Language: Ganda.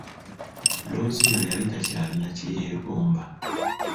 Looziyo yali takyalina kyeyegomba.